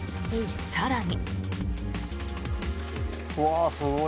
更に。